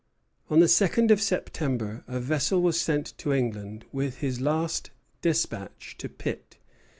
On the second of September a vessel was sent to England with his last despatch to Pitt.